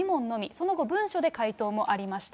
その後、文書で回答もありました。